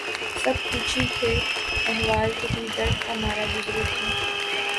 سب پوچھیں تھے احوال جو کوئی درد کا مارا گزرے تھا